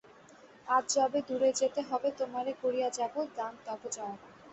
আজ যবে দূরে যেতে হবে তোমারে করিয়া যাব দান তব জয়গান।